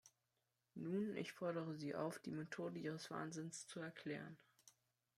Nun, ich fordere sie auf, die Methode ihres Wahnsinns zu erklären.